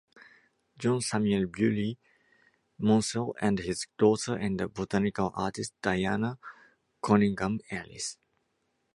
John Samuel Bewley Monsell and his daughter the botanical artist Diana Conyngham Ellis.